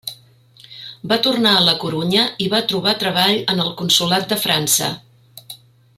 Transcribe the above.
Va tornar a La Corunya i va trobar treball en el consolat de França.